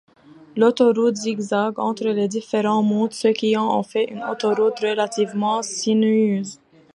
L'autoroute zigzague entre les différents monts, ce qui en fait une autoroute relativement sinueuse.